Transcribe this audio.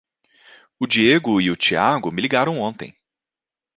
O Diego e o Tiago me ligaram ontem.